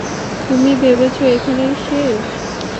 তুমি ভেবেছ এখানেই শেষ?